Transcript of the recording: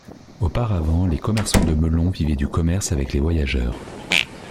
Auparavant les commerçants de Melon vivaient du commerce avec les voyageurs.